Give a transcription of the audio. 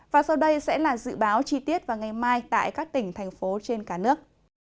và sau đây sẽ là dự báo chi tiết vào ngày mai tại các tỉnh thành phố trên cả nước